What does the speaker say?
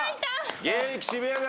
現役渋谷軍。